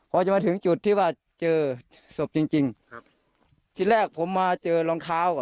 พอจะมาถึงจุดที่ว่าเจอศพจริงที่แรกผมมาเจอรองเท้าก่อนครับ